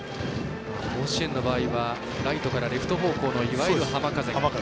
甲子園の場合はライトからレフト方向の浜風。